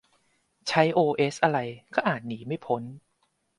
ใช้โอเอสอะไร ก็อาจหนีไม่พ้น